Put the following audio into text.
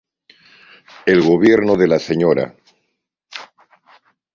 El gobierno de la Sra.